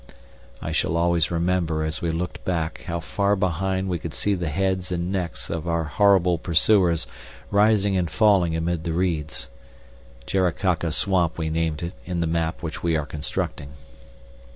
I shall always remember as we looked back how far behind we could see the heads and necks of our horrible pursuers rising and falling amid the reeds. Jaracaca Swamp we named it in the map which we are constructing.